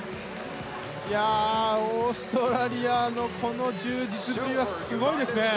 オーストラリアのこの充実ぶりはすごいですね。